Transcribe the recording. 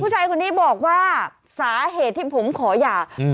ผู้ชายคนนี้บอกว่าสาเหตุที่ผมขอหย่าอืม